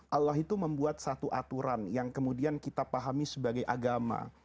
allah itu membuat satu aturan yang kemudian kita pahami sebagai agama